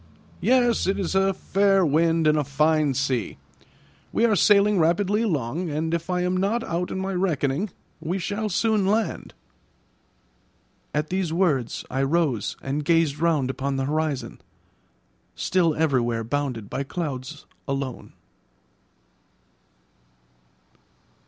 "Yes, it is a fair wind and a fine sea; we are sailing rapidly along, and if I am not out in my reckoning, we shall soon land." At these words I rose and gazed round upon the horizon, still everywhere bounded by clouds alone.